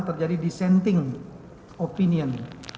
terjadi dissenting opinion